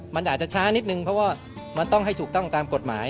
มันอาจจะช้านิดนึงเพราะว่ามันต้องให้ถูกต้องตามกฎหมาย